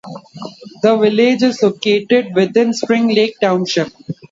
The village is located within Spring Lake Township.